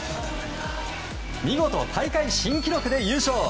見事、大会新記録で優勝。